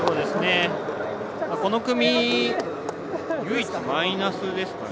この組、唯一マイナスですかね。